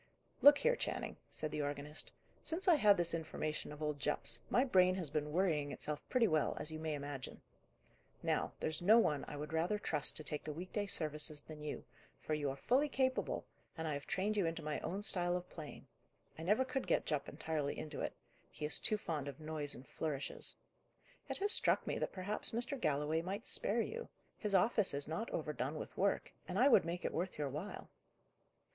"Look here, Channing," said the organist. "Since I had this information of old Jupp's, my brain has been worrying itself pretty well, as you may imagine. Now, there's no one I would rather trust to take the week day services than you, for you are fully capable, and I have trained you into my own style of playing: I never could get Jupp entirely into it; he is too fond of noise and flourishes. It has struck me that perhaps Mr. Galloway might spare you: his office is not overdone with work, and I would make it worth your while."